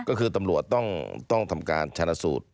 ก็คือตำรวจต้องทำการชนะสูตร